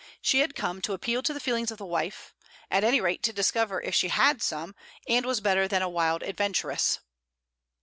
She had come to appeal to the feelings of the wife; at any rate, to discover if she had some and was better than a wild adventuress.